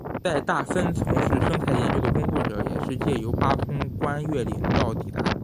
在大分从事生态研究的工作者也是藉由八通关越岭道抵达。